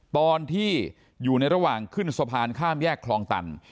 ตอนที่อยู่ในระหว่างขึ้นสะพานข้ามแยกคลองตัน